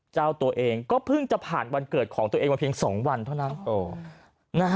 เจ้าตัวเองก็เพิ่งจะผ่านวันเกิดของตัวเองมาเพียง๒วันเท่านั้น